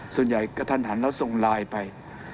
ส่วนใหญ่ก็ทันทันแล้วส่งไลน์ไป